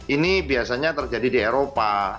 ini biasanya terjadi di eropa